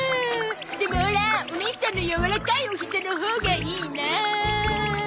でもオラおねいさんのやわらかいおひざのほうがいいな。